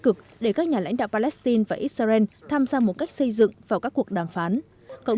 cực để các nhà lãnh đạo palestine và israel tham gia một cách xây dựng vào các cuộc đàm phán cộng